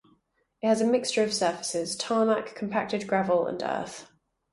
It has a mixture of surfaces; tarmac, compacted gravel, and earth.